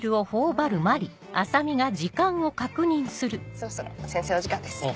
そろそろ先生お時間です。